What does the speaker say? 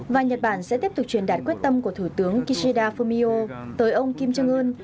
và nhật bản sẽ tiếp tục truyền đạt quyết tâm của thủ tướng kishida fumio tới ông kim jong un